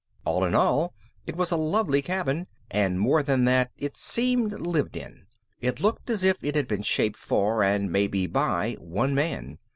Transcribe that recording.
All in all, it was a lovely cabin and, more than that, it seemed lived in. It looked as if it had been shaped for, and maybe by one man.